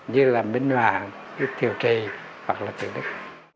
như là minh màng thiệu trì hoặc là thiệu đức